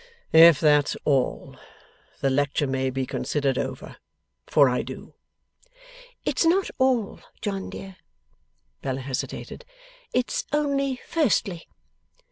'If that's all, the lecture may be considered over, for I do.' 'It's not all, John dear,' Bella hesitated. 'It's only Firstly.